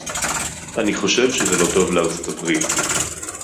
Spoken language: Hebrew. אני חושב שזה לא טוב לארצות-הברית